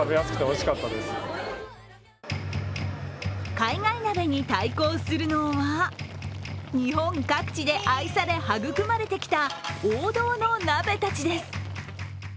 海外鍋に対抗するのは日本各地で愛され、育まれてきた王道の鍋たちです。